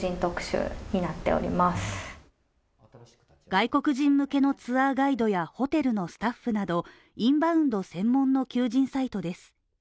外国人向けのツアーガイドやホテルのスタッフなど、インバウンド専門の求人サイトです。